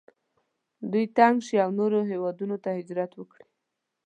دوی تنګ شي او نورو هیوادونو ته هجرت وکړي.